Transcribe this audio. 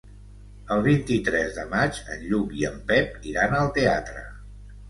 El vint-i-tres de maig en Lluc i en Pep iran al teatre.